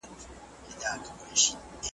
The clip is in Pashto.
زه اوږده وخت ليکنه کوم؟!